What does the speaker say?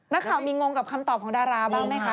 นักข่าวมีงงกับคำตอบของดาราบ้างไหมคะ